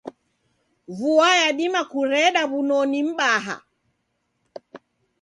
Vua yadima kureda wunoni m'baha.